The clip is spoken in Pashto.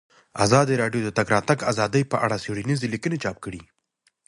ازادي راډیو د د تګ راتګ ازادي په اړه څېړنیزې لیکنې چاپ کړي.